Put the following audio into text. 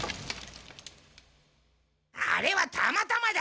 あれはたまたまだ。